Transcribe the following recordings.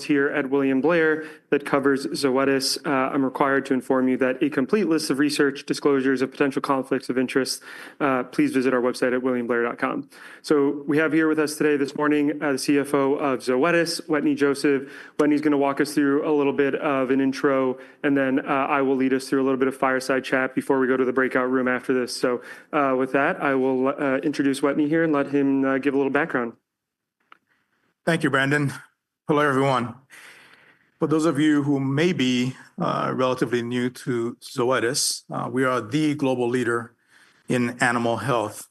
Here at William Blair that covers Zoetis. I'm required to inform you that a complete list of research disclosures of potential conflicts of interest. Please visit our website at williamblair.com. We have here with us today this morning the CFO of Zoetis, Wetteny Joseph. Wetteny is going to walk us through a little bit of an intro, and then I will lead us through a little bit of fireside chat before we go to the breakout room after this. With that, I will introduce Wetteny here and let him give a little background. Thank you, Brandon. Hello, everyone. For those of you who may be relatively new to Zoetis, we are the global leader in animal health,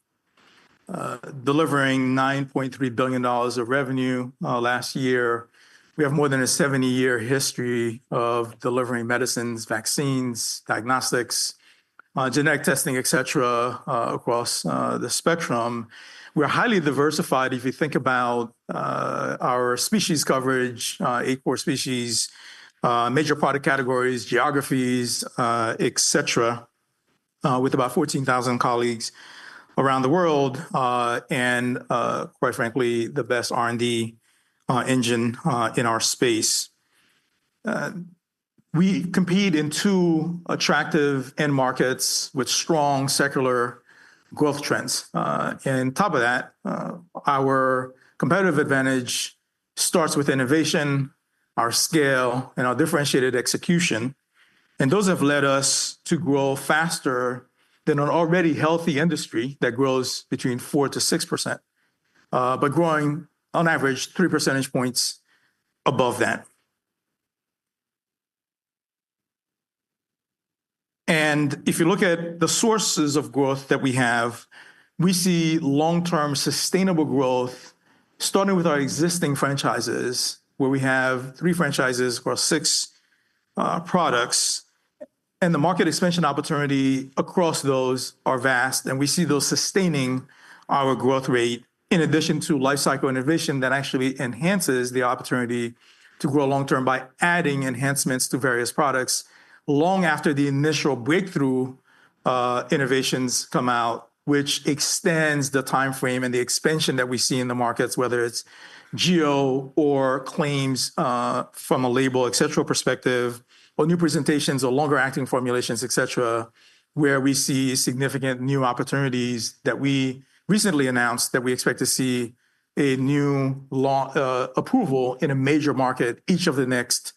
delivering $9.3 billion of revenue last year. We have more than a 70-year history of delivering medicines, vaccines, diagnostics, genetic testing, et cetera, across the spectrum. We're highly diversified if you think about our species coverage, across species, major product categories, geographies, et cetera, with about 14,000 colleagues around the world and, quite frankly, the best R&D engine in our space. We compete in two attractive end markets with strong secular growth trends. Our competitive advantage starts with innovation, our scale, and our differentiated execution. Those have led us to grow faster than an already healthy industry that grows between 4%-6%, but growing on average three percentage points above that. If you look at the sources of growth that we have, we see long-term sustainable growth starting with our existing franchises, where we have three franchises across six products. The market expansion opportunity across those is vast. We see those sustaining our growth rate in addition to lifecycle innovation that actually enhances the opportunity to grow long-term by adding enhancements to various products long after the initial breakthrough innovations come out, which extends the time frame and the expansion that we see in the markets, whether it's geo or claims from a label, et cetera perspective, or new presentations or longer acting formulations, et cetera, where we see significant new opportunities that we recently announced that we expect to see a new approval in a major market each of the next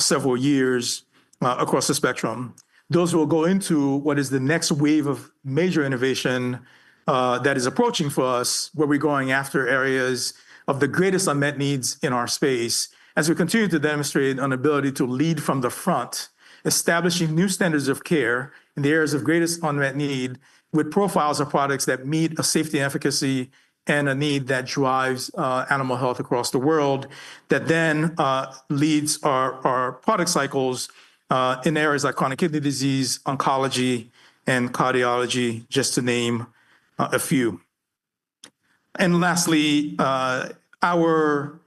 several years across the spectrum. Those will go into what is the next wave of major innovation that is approaching for us, where we're going after areas of the greatest unmet needs in our space as we continue to demonstrate an ability to lead from the front, establishing new standards of care in the areas of greatest unmet need with profiles of products that meet a safety and efficacy and a need that drives animal health across the world that then leads our product cycles in areas like chronic kidney disease, oncology, and cardiology, just to name a few. Lastly, our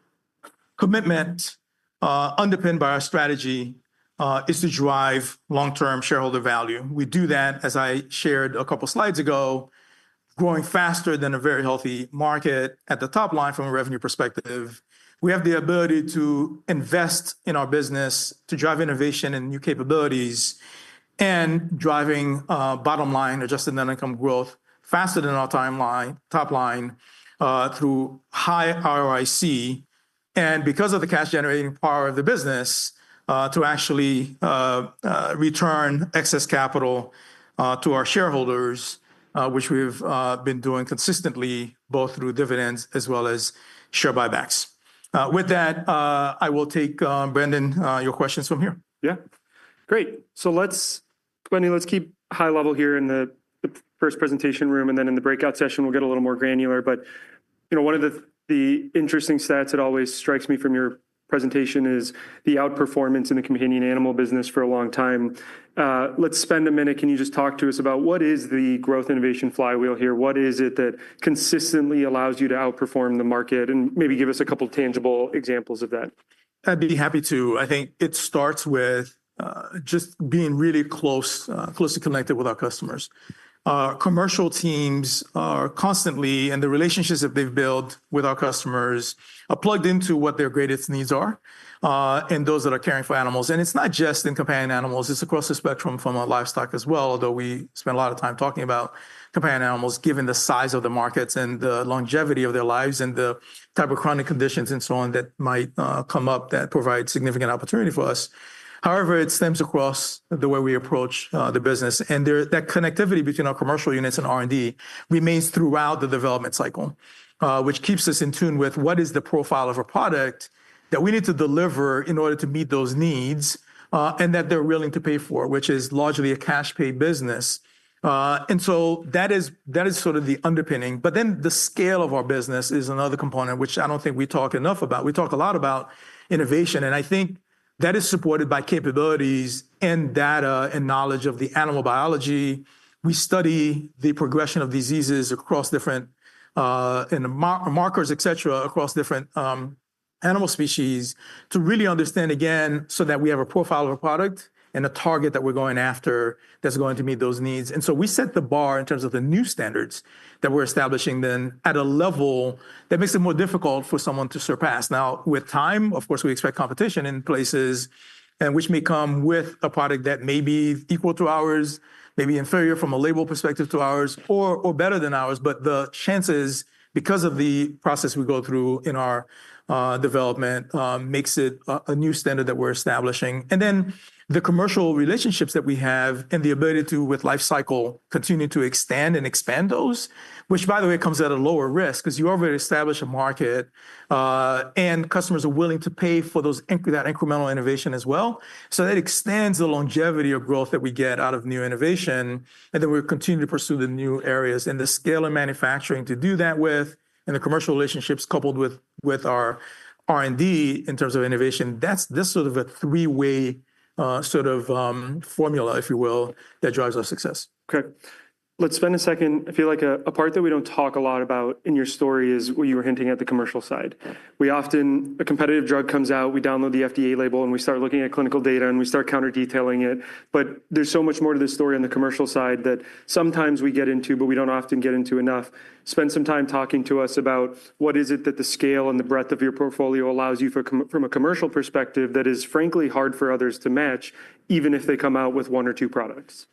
commitment underpinned by our strategy is to drive long-term shareholder value. We do that, as I shared a couple of slides ago, growing faster than a very healthy market at the top line from a revenue perspective. We have the ability to invest in our business, to drive innovation and new capabilities, and driving bottom line adjusted net income growth faster than our top line through high ROIC. Because of the cash-generating power of the business, to actually return excess capital to our shareholders, which we've been doing consistently both through dividends as well as share buybacks. With that, I will take, Brandon, your questions from here. Yeah. Great. Let's keep high level here in the first presentation room. In the breakout session, we'll get a little more granular. One of the interesting stats that always strikes me from your presentation is the outperformance in the companion animal business for a long time. Let's spend a minute. Can you just talk to us about what is the growth innovation flywheel here? What is it that consistently allows you to outperform the market and maybe give us a couple of tangible examples of that? I'd be happy to. I think it starts with just being really closely connected with our customers. Commercial teams are constantly, and the relationships that they've built with our customers are plugged into what their greatest needs are and those that are caring for animals. It's not just in companion animals. It's across the spectrum from livestock as well, although we spend a lot of time talking about companion animals given the size of the markets and the longevity of their lives and the type of chronic conditions and so on that might come up that provide significant opportunity for us. However, it stems across the way we approach the business. That connectivity between our commercial units and R&D remains throughout the development cycle, which keeps us in tune with what is the profile of a product that we need to deliver in order to meet those needs and that they're willing to pay for, which is largely a cash-pay business. That is sort of the underpinning. The scale of our business is another component, which I do not think we talk enough about. We talk a lot about innovation. I think that is supported by capabilities and data and knowledge of the animal biology. We study the progression of diseases across different markers, et cetera, across different animal species to really understand, again, so that we have a profile of a product and a target that we are going after that is going to meet those needs. We set the bar in terms of the new standards that we're establishing at a level that makes it more difficult for someone to surpass. With time, of course, we expect competition in places which may come with a product that may be equal to ours, maybe inferior from a label perspective to ours or better than ours. The chances, because of the process we go through in our development, make it a new standard that we're establishing. The commercial relationships that we have and the ability to, with lifecycle, continue to expand and expand those, which, by the way, comes at a lower risk because you already establish a market and customers are willing to pay for that incremental innovation as well. That extends the longevity of growth that we get out of new innovation. We continue to pursue the new areas and the scale of manufacturing to do that with and the commercial relationships coupled with our R&D in terms of innovation. That is sort of a three-way sort of formula, if you will, that drives our success. Okay. Let's spend a second. I feel like a part that we don't talk a lot about in your story is what you were hinting at, the commercial side. A competitive drug comes out, we download the FDA label, and we start looking at clinical data, and we start counter-detailing it. There is so much more to this story on the commercial side that sometimes we get into, but we don't often get into enough. Spend some time talking to us about what is it that the scale and the breadth of your portfolio allows you from a commercial perspective that is, frankly, hard for others to match, even if they come out with one or two products.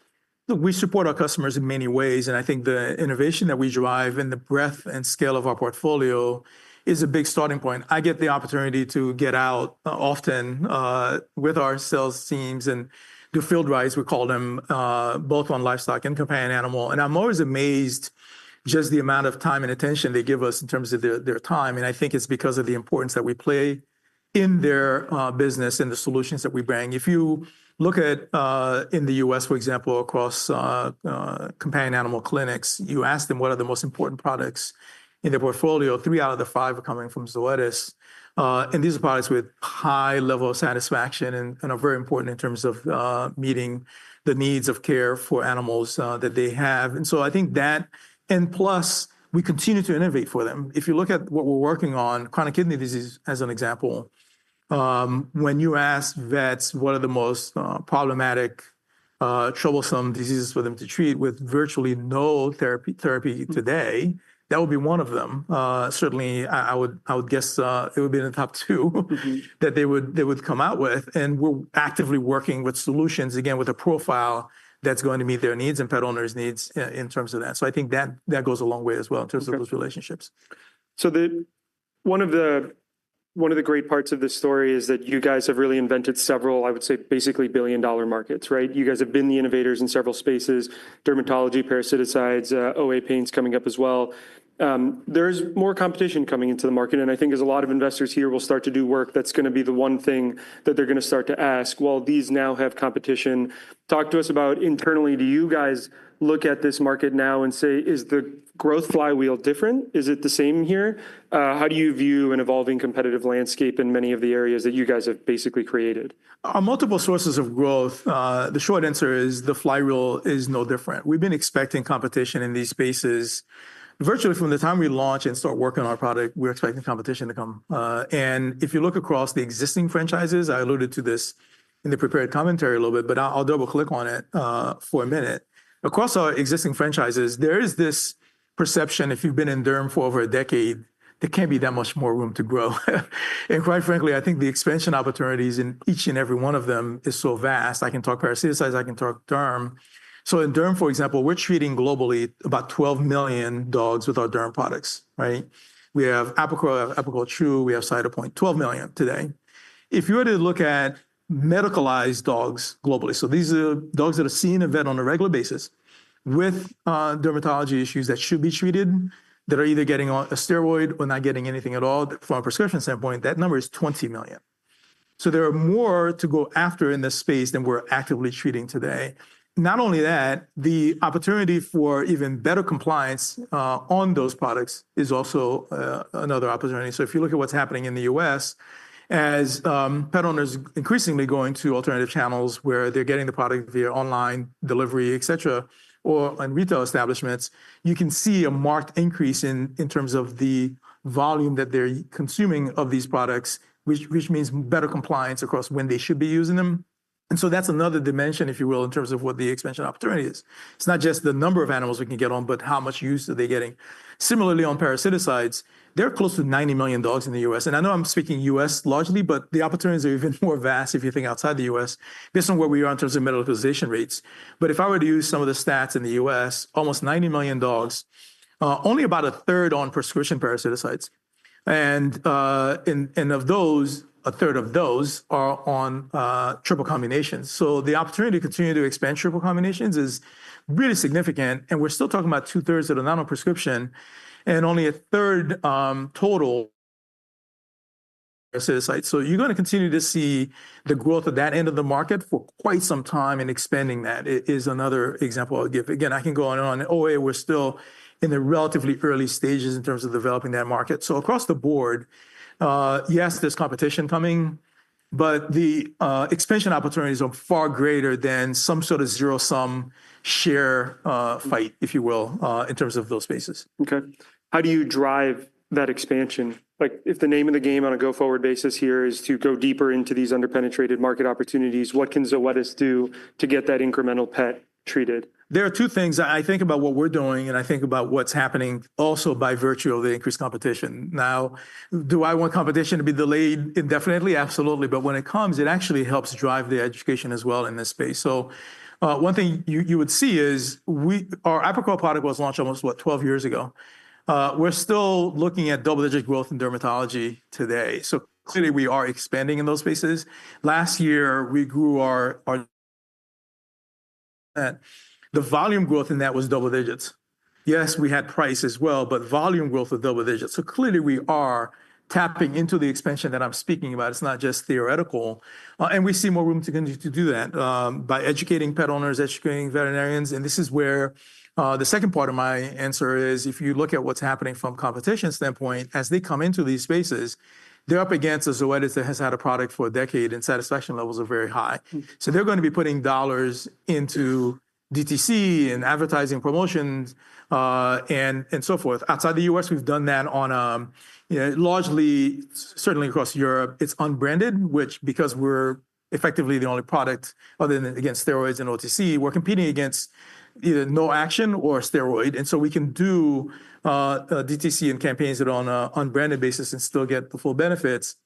Look, we support our customers in many ways. I think the innovation that we drive and the breadth and scale of our portfolio is a big starting point. I get the opportunity to get out often with our sales teams and do field rides, we call them, both on livestock and companion animal. I'm always amazed just the amount of time and attention they give us in terms of their time. I think it's because of the importance that we play in their business and the solutions that we bring. If you look at in the U.S., for example, across companion animal clinics, you ask them what are the most important products in their portfolio. Three out of the five are coming from Zoetis. These are products with a high level of satisfaction and are very important in terms of meeting the needs of care for animals that they have. I think that, plus, we continue to innovate for them. If you look at what we're working on, chronic kidney disease as an example, when you ask vets what are the most problematic, troublesome diseases for them to treat with virtually no therapy today, that would be one of them. Certainly, I would guess it would be in the top two that they would come out with. We are actively working with solutions, again, with a profile that's going to meet their needs and pet owners' needs in terms of that. I think that goes a long way as well in terms of those relationships. One of the great parts of this story is that you guys have really invented several, I would say, basically billion-dollar markets, right? You guys have been the innovators in several spaces: dermatology, parasiticides, OA pain is coming up as well. There is more competition coming into the market. I think as a lot of investors here will start to do work, that's going to be the one thing that they're going to start to ask, well, these now have competition. Talk to us about internally, do you guys look at this market now and say, is the growth flywheel different? Is it the same here? How do you view an evolving competitive landscape in many of the areas that you guys have basically created? Multiple sources of growth. The short answer is the flywheel is no different. We've been expecting competition in these spaces. Virtually from the time we launch and start working on our product, we're expecting competition to come. If you look across the existing franchises, I alluded to this in the prepared commentary a little bit, but I'll double-click on it for a minute. Across our existing franchises, there is this perception, if you've been in derm for over a decade, there can't be that much more room to grow. Quite frankly, I think the expansion opportunities in each and every one of them are so vast. I can talk parasiticides. I can talk derm. In derm, for example, we're treating globally about 12 million dogs with our derm products, right? We have Apoquel, we have Apoquel Chew, we have Cytopoint, 12 million today. If you were to look at medicalized dogs globally, so these are dogs that are seeing a vet on a regular basis with dermatology issues that should be treated, that are either getting a steroid or not getting anything at all from a prescription standpoint, that number is 20 million. There are more to go after in this space than we're actively treating today. Not only that, the opportunity for even better compliance on those products is also another opportunity. If you look at what's happening in the U.S., as pet owners are increasingly going to alternative channels where they're getting the product via online delivery, et cetera, or in retail establishments, you can see a marked increase in terms of the volume that they're consuming of these products, which means better compliance across when they should be using them. That's another dimension, if you will, in terms of what the expansion opportunity is. It's not just the number of animals we can get on, but how much use are they getting. Similarly, on parasiticides, there are close to 90 million dogs in the U.S. And I know I'm speaking U.S. largely, but the opportunities are even more vast, if you think outside the U.S., based on where we are in terms of medicalization rates. If I were to use some of the stats in the U.S., almost 90 million dogs, only about a 1/3 on prescription parasiticides. Of those, a 1/3 are on triple combinations. The opportunity to continue to expand triple combinations is really significant. We're still talking about 2/3 of the non-prescription and only a 1/3 total parasiticides. You're going to continue to see the growth of that end of the market for quite some time and expanding that is another example I'll give. Again, I can go on and on. OA, we're still in the relatively early stages in terms of developing that market. Across the board, yes, there's competition coming, but the expansion opportunities are far greater than some sort of zero-sum share fight, if you will, in terms of those spaces. Okay. How do you drive that expansion? If the name of the game on a go-forward basis here is to go deeper into these underpenetrated market opportunities, what can Zoetis do to get that incremental pet treated? There are two things. I think about what we're doing, and I think about what's happening also by virtue of the increased competition. Now, do I want competition to be delayed indefinitely? Absolutely. When it comes, it actually helps drive the education as well in this space. One thing you would see is our Apoquel product was launched almost, what, 12 years ago. We're still looking at double-digit growth in dermatology today. Clearly, we are expanding in those spaces. Last year, we grew our volume growth, and that was double digits. Yes, we had price as well, but volume growth was double digits. Clearly, we are tapping into the expansion that I'm speaking about. It's not just theoretical. We see more room to continue to do that by educating pet owners, educating veterinarians. This is where the second part of my answer is, if you look at what's happening from a competition standpoint, as they come into these spaces, they're up against a Zoetis that has had a product for a decade, and satisfaction levels are very high. They are going to be putting dollars into DTC and advertising promotions and so forth. Outside the U.S., we've done that on largely, certainly across Europe. It's unbranded, which, because we're effectively the only product other than, again, steroids and OTC, we're competing against either no action or steroid. We can do DTC and campaigns that are on an unbranded basis and still get the full benefits.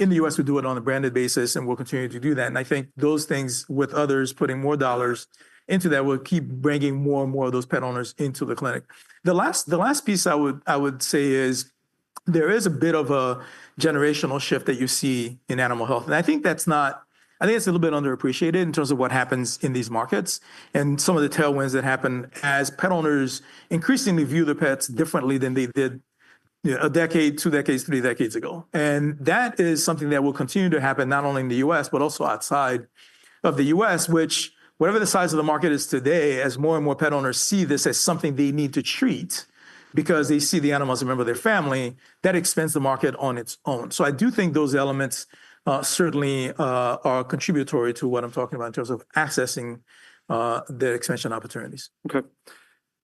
In the U.S., we do it on a branded basis, and we'll continue to do that. I think those things with others putting more dollars into that will keep bringing more and more of those pet owners into the clinic. The last piece I would say is there is a bit of a generational shift that you see in animal health. I think that's not, I think it's a little bit underappreciated in terms of what happens in these markets and some of the tailwinds that happen as pet owners increasingly view their pets differently than they did a decade, two decades, three decades ago. That is something that will continue to happen not only in the U.S., but also outside of the U.S., which, whatever the size of the market is today, as more and more pet owners see this as something they need to treat because they see the animals as a member of their family, that expands the market on its own. I do think those elements certainly are contributory to what I'm talking about in terms of accessing the expansion opportunities. Okay.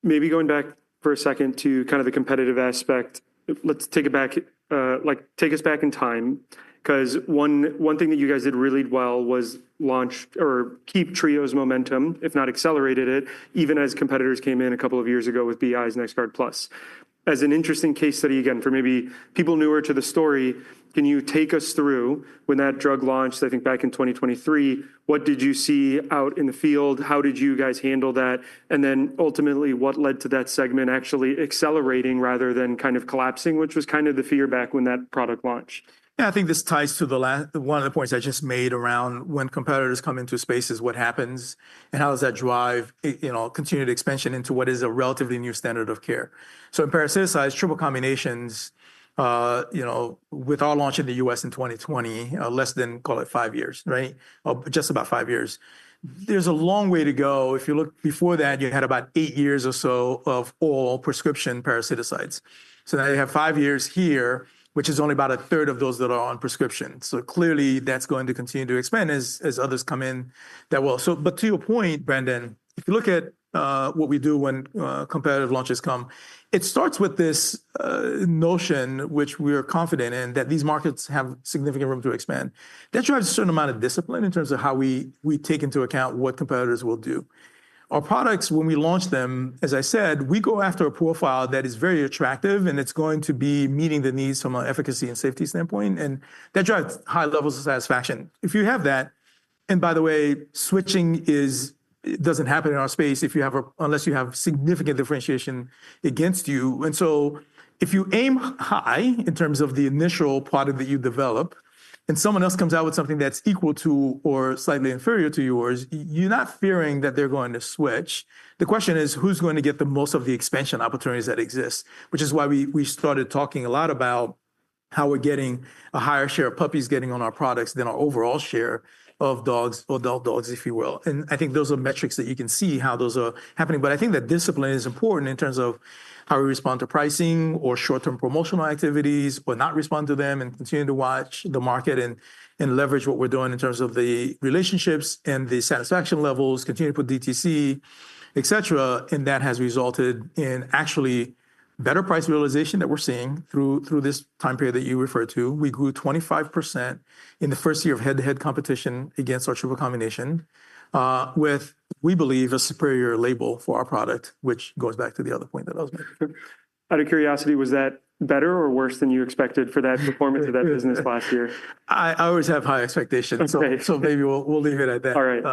Maybe going back for a second to kind of the competitive aspect, let's take it back, take us back in time, because one thing that you guys did really well was launch or keep Trio's momentum, if not accelerated it, even as competitors came in a couple of years ago with BI's NexGard PLUS. As an interesting case study, again, for maybe people newer to the story, can you take us through when that drug launched, I think back in 2023, what did you see out in the field? How did you guys handle that? And then ultimately, what led to that segment actually accelerating rather than kind of collapsing, which was kind of the fear back when that product launched? Yeah, I think this ties to one of the points I just made around when competitors come into spaces, what happens and how does that drive continued expansion into what is a relatively new standard of care. In parasiticides, triple combinations, with our launch in the U.S. in 2020, less than, call it five years, right? Just about five years. There is a long way to go. If you look before that, you had about eight years or so of all prescription parasiticides. Now you have five years here, which is only about a 1/3 of those that are on prescription. Clearly, that is going to continue to expand as others come in that well. To your point, Brandon, if you look at what we do when competitive launches come, it starts with this notion, which we are confident in, that these markets have significant room to expand. That drives a certain amount of discipline in terms of how we take into account what competitors will do. Our products, when we launch them, as I said, we go after a profile that is very attractive, and it is going to be meeting the needs from an efficacy and safety standpoint. That drives high levels of satisfaction. If you have that, and by the way, switching does not happen in our space unless you have significant differentiation against you. If you aim high in terms of the initial product that you develop and someone else comes out with something that is equal to or slightly inferior to yours, you are not fearing that they are going to switch. The question is, who's going to get the most of the expansion opportunities that exist, which is why we started talking a lot about how we're getting a higher share of puppies getting on our products than our overall share of dogs or adult dogs, if you will. I think those are metrics that you can see how those are happening. I think that discipline is important in terms of how we respond to pricing or short-term promotional activities or not respond to them and continue to watch the market and leverage what we're doing in terms of the relationships and the satisfaction levels, continue to put DTC, et cetera. That has resulted in actually better price realization that we're seeing through this time period that you referred to. We grew 25% in the first year of head-to-head competition against our triple combination with, we believe, a superior label for our product, which goes back to the other point that I was making. Out of curiosity, was that better or worse than you expected for that performance of that business last year? I always have high expectations. Maybe we'll leave it at that. All right.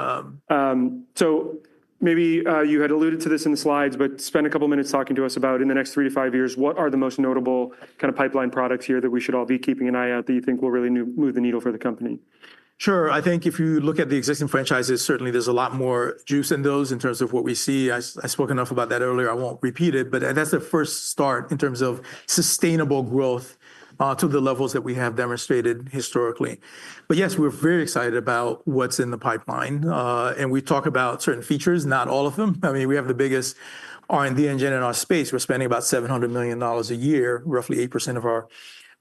Maybe you had alluded to this in the slides, but spend a couple of minutes talking to us about in the next three to five years, what are the most notable kind of pipeline products here that we should all be keeping an eye out that you think will really move the needle for the company? Sure. I think if you look at the existing franchises, certainly there's a lot more juice in those in terms of what we see. I spoke enough about that earlier. I won't repeat it, but that's a first start in terms of sustainable growth to the levels that we have demonstrated historically. Yes, we're very excited about what's in the pipeline. We talk about certain features, not all of them. I mean, we have the biggest R&D engine in our space. We're spending about $700 million a year, roughly 8% of our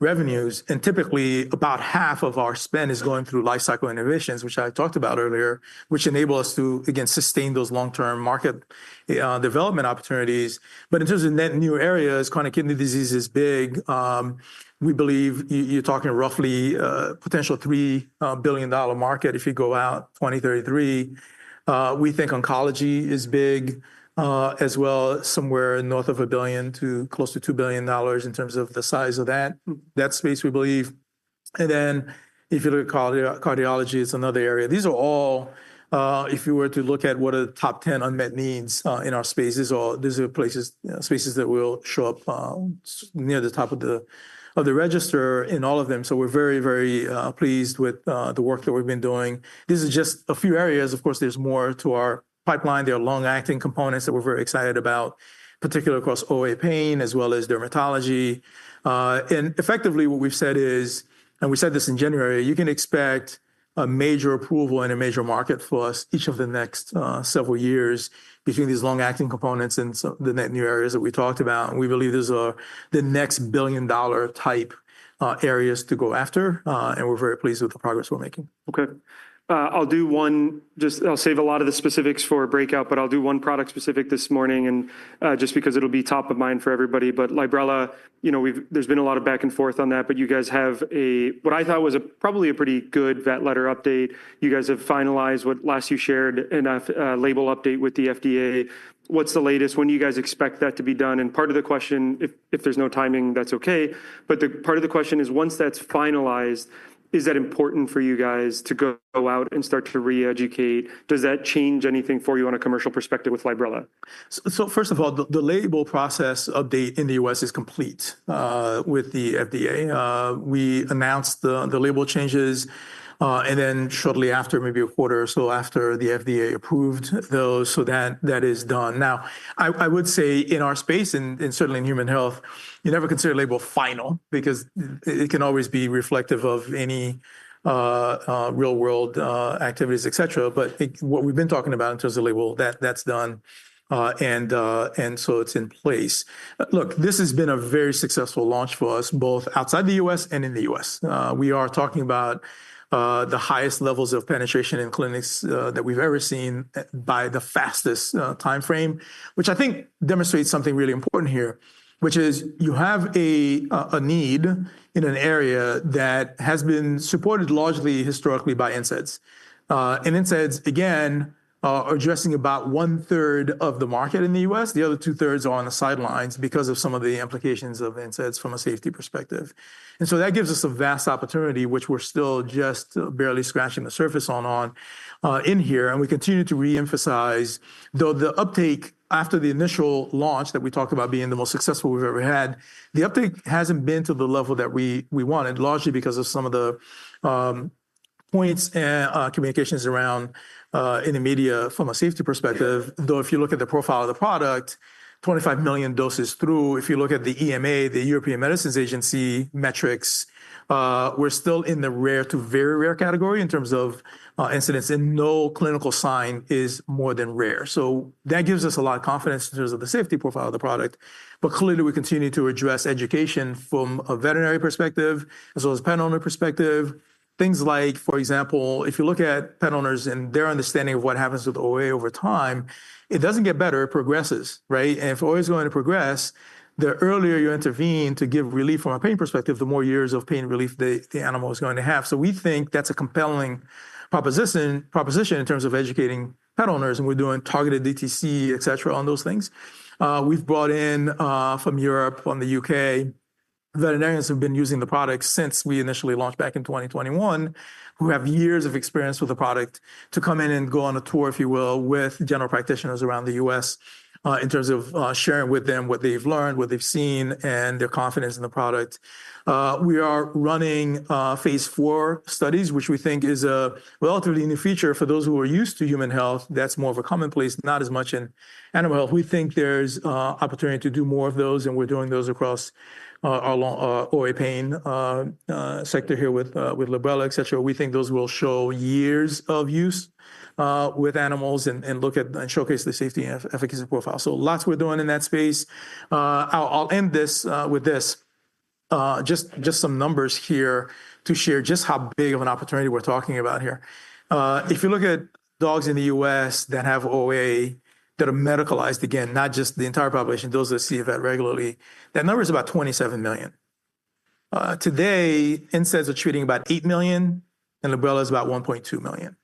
revenues. Typically, about half of our spend is going through lifecycle innovations, which I talked about earlier, which enable us to, again, sustain those long-term market development opportunities. In terms of net new areas, chronic kidney disease is big. We believe you're talking roughly potential $3 billion market if you go out 2033. We think oncology is big as well, somewhere north of $1 billion to close to $2 billion in terms of the size of that space, we believe. If you look at cardiology, it is another area. These are all, if you were to look at what are the top 10 unmet needs in our spaces, these are places, spaces that will show up near the top of the register in all of them. We are very, very pleased with the work that we have been doing. This is just a few areas. Of course, there is more to our pipeline. There are long-acting components that we are very excited about, particularly across OA pain as well as dermatology. Effectively, what we've said is, and we said this in January, you can expect a major approval in a major market for us each of the next several years between these long-acting components and the net new areas that we talked about. We believe those are the next billion-dollar type areas to go after. We are very pleased with the progress we're making. Okay. I'll do one, just I'll save a lot of the specifics for a breakout, but I'll do one product specific this morning just because it'll be top of mind for everybody. Librela, there's been a lot of back and forth on that, but you guys have what I thought was probably a pretty good vet letter update. You guys have finalized what last you shared in a label update with the FDA. What's the latest? When do you guys expect that to be done? Part of the question, if there's no timing, that's okay. Part of the question is, once that's finalized, is that important for you guys to go out and start to re-educate? Does that change anything for you on a commercial perspective with Librela? First of all, the label process update in the U.S. is complete with the FDA. We announced the label changes, and then shortly after, maybe a quarter or so after, the FDA approved those, so that is done. I would say in our space and certainly in human health, you never consider label final because it can always be reflective of any real-world activities, et cetera. What we've been talking about in terms of label, that's done. It's in place. Look, this has been a very successful launch for us, both outside the U.S. and in the U.S. We are talking about the highest levels of penetration in clinics that we've ever seen by the fastest time frame, which I think demonstrates something really important here, which is you have a need in an area that has been supported largely historically by NSAIDs. NSAIDs, again, are addressing about 1/3 of the market in the U.S. The other 2/3 are on the sidelines because of some of the implications of NSAIDs from a safety perspective. That gives us a vast opportunity, which we're still just barely scratching the surface on in here. We continue to re-emphasize, though the uptake after the initial launch that we talked about being the most successful we've ever had, the uptake hasn't been to the level that we wanted, largely because of some of the points and communications around in the media from a safety perspective. Though if you look at the profile of the product, 25 million doses through, if you look at the EMA, the European Medicines Agency metrics, we're still in the rare to very rare category in terms of incidents, and no clinical sign is more than rare. That gives us a lot of confidence in terms of the safety profile of the product. Clearly, we continue to address education from a veterinary perspective as well as a pet owner perspective. Things like, for example, if you look at pet owners and their understanding of what happens to the OA over time, it does not get better, it progresses, right? If OA is going to progress, the earlier you intervene to give relief from a pain perspective, the more years of pain relief the animal is going to have. We think that is a compelling proposition in terms of educating pet owners. We are doing targeted DTC, et cetera, on those things. We've brought in from Europe, from the U.K., veterinarians who have been using the product since we initially launched back in 2021, who have years of experience with the product to come in and go on a tour, if you will, with general practitioners around the U.S. in terms of sharing with them what they've learned, what they've seen, and their confidence in the product. We are running phase IV studies, which we think is a relatively new feature for those who are used to human health. That's more of a commonplace, not as much in animal health. We think there's opportunity to do more of those, and we're doing those across our OA pain sector here with Librela, et cetera. We think those will show years of use with animals and showcase the safety and efficacy profile. Lots we're doing in that space. I'll end this with just some numbers here to share just how big of an opportunity we're talking about here. If you look at dogs in the U.S. that have OA that are medicalized, again, not just the entire population, those that see a vet regularly, that number is about 27 million. Today, NSAIDs are treating about 8 million, and Librela is about 1.2 million.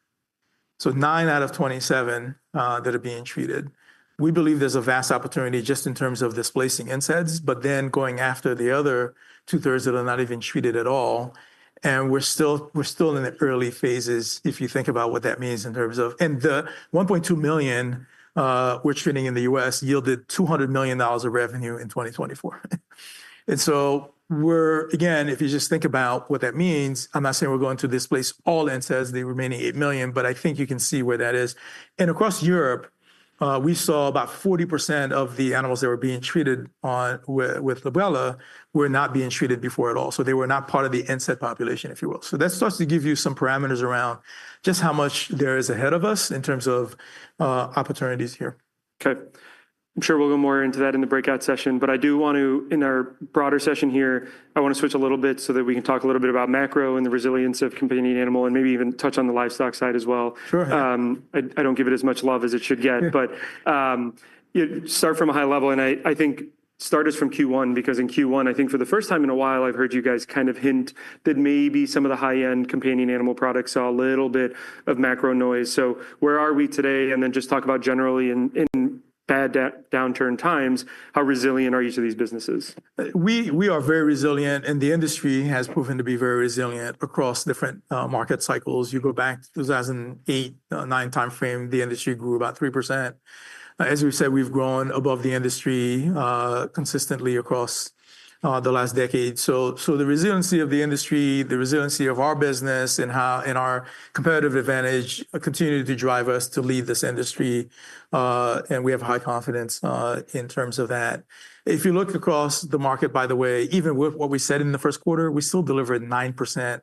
So 9 out of 27 that are being treated. We believe there's a vast opportunity just in terms of displacing NSAIDs, but then going after the other 2/3 that are not even treated at all. We're still in the early phases, if you think about what that means in terms of, and the 1.2 million we're treating in the U.S. yielded $200 million of revenue in 2024. We're, again, if you just think about what that means, I'm not saying we're going to displace all NSAIDs, the remaining 8 million, but I think you can see where that is. Across Europe, we saw about 40% of the animals that were being treated with Librela were not being treated before at all. They were not part of the NSAID population, if you will. That starts to give you some parameters around just how much there is ahead of us in terms of opportunities here. Okay. I'm sure we'll go more into that in the breakout session, but I do want to, in our broader session here, I want to switch a little bit so that we can talk a little bit about macro and the resilience of companion animal and maybe even touch on the livestock side as well. Sure. I do not give it as much love as it should get, but start from a high level. I think start us from Q1 because in Q1, I think for the first time in a while, I have heard you guys kind of hint that maybe some of the high-end companion animal products saw a little bit of macro noise. Where are we today? Then just talk about generally in bad downturn times, how resilient are each of these businesses? We are very resilient, and the industry has proven to be very resilient across different market cycles. You go back to 2008, 2009 time frame, the industry grew about 3%. As we've said, we've grown above the industry consistently across the last decade. The resiliency of the industry, the resiliency of our business and our competitive advantage continue to drive us to lead this industry. We have high confidence in terms of that. If you look across the market, by the way, even with what we said in the first quarter, we still delivered 9%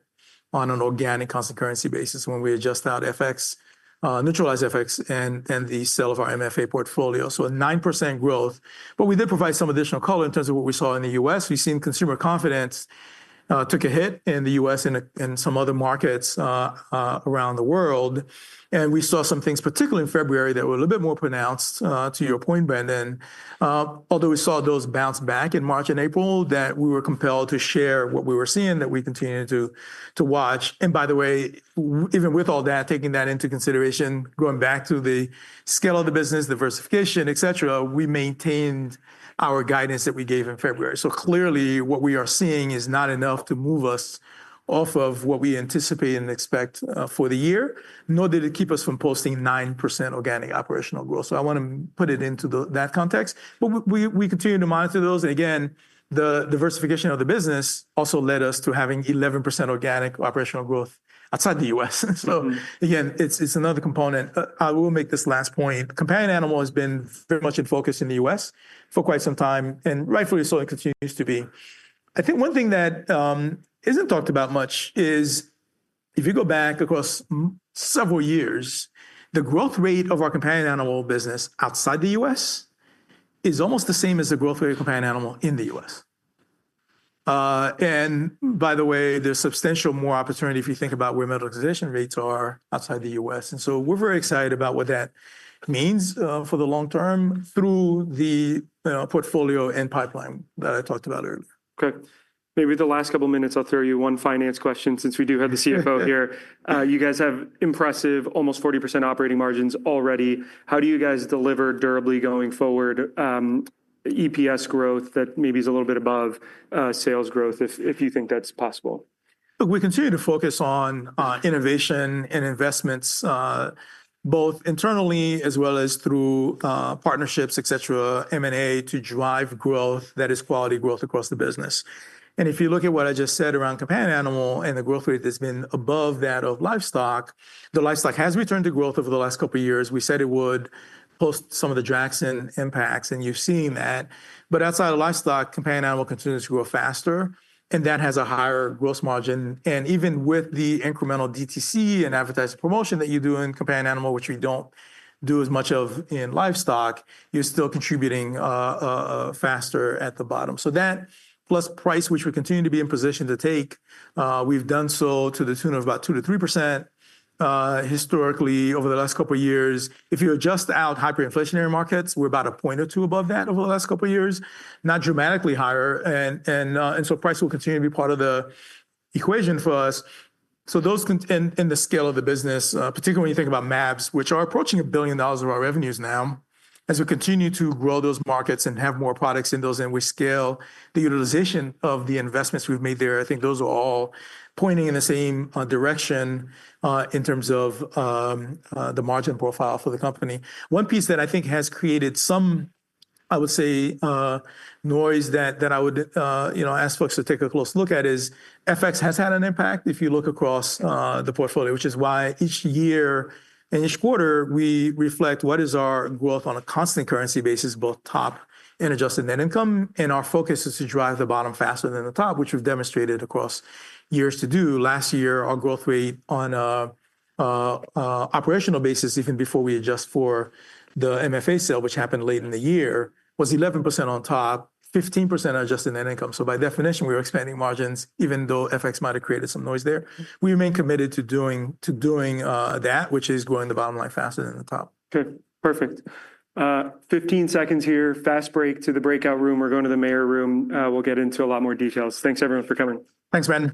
on an organic constant currency basis when we adjust out FX, neutralize FX, and the sale of our MFA portfolio. A 9% growth, but we did provide some additional color in terms of what we saw in the U.S. We've seen consumer confidence took a hit in the U.S. and some other markets around the world. We saw some things, particularly in February, that were a little bit more pronounced to your point, Brandon. Although we saw those bounce back in March and April, we were compelled to share what we were seeing that we continued to watch. By the way, even with all that, taking that into consideration, going back to the scale of the business, diversification, et cetera, we maintained our guidance that we gave in February. Clearly, what we are seeing is not enough to move us off of what we anticipate and expect for the year, nor did it keep us from posting 9% organic operational growth. I want to put it into that context. We continue to monitor those. The diversification of the business also led us to having 11% organic operational growth outside the U.S. It is another component. I will make this last point. Companion animal has been very much in focus in the U.S. for quite some time, and rightfully so, it continues to be. I think one thing that is not talked about much is if you go back across several years, the growth rate of our companion animal business outside the U.S. is almost the same as the growth rate of companion animal in the U.S. By the way, there is substantial more opportunity if you think about where medicalization rates are outside the U.S. We are very excited about what that means for the long term through the portfolio and pipeline that I talked about earlier. Okay. Maybe the last couple of minutes, I'll throw you one finance question since we do have the CFO here. You guys have impressive almost 40% operating margins already. How do you guys deliver durably going forward EPS growth that maybe is a little bit above sales growth if you think that's possible? Look, we continue to focus on innovation and investments, both internally as well as through partnerships, et cetera, M&A to drive growth that is quality growth across the business. If you look at what I just said around companion animal and the growth rate that's been above that of livestock, the livestock has returned to growth over the last couple of years. We said it would post some of the Jackson impacts, and you've seen that. Outside of livestock, companion animal continues to grow faster, and that has a higher gross margin. Even with the incremental DTC and advertised promotion that you do in companion animal, which we do not do as much of in livestock, you're still contributing faster at the bottom. That plus price, which we continue to be in position to take, we've done so to the tune of about 2%-3% historically over the last couple of years. If you adjust out hyperinflationary markets, we're about a point or two above that over the last couple of years, not dramatically higher. Price will continue to be part of the equation for us. Those in the scale of the business, particularly when you think about MABs, which are approaching $1 billion of our revenues now, as we continue to grow those markets and have more products in those and we scale the utilization of the investments we've made there, I think those are all pointing in the same direction in terms of the margin profile for the company. One piece that I think has created some, I would say, noise that I would ask folks to take a close look at is FX has had an impact if you look across the portfolio, which is why each year and each quarter, we reflect what is our growth on a constant currency basis, both top and adjusted net income. Our focus is to drive the bottom faster than the top, which we've demonstrated across years to do. Last year, our growth rate on an operational basis, even before we adjust for the MFA sale, which happened late in the year, was 11% on top, 15% adjusted net income. By definition, we were expanding margins, even though FX might have created some noise there. We remain committed to doing that, which is growing the bottom line faster than the top. Okay. Perfect. Fifteen seconds here. Fast break to the breakout room. We're going to the main room. We'll get into a lot more details. Thanks, everyone, for coming. Thanks, Brandon.